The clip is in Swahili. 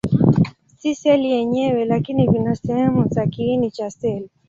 Si seli yenyewe, lakini vina sehemu za kiini cha seli.